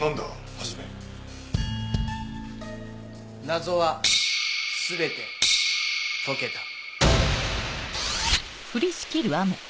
謎は全て解けた。